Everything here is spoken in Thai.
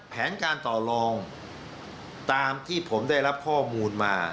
แผนการต่อลองตามที่ผมได้รับข้อมูลมา